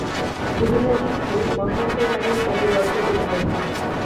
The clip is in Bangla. উদয়াদিত্য বসন্ত রায়ের কত গল্প করিলেন।